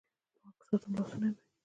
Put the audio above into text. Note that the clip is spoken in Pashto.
پاک ساتم لاسونه مې